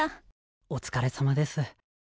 お疲れさまです。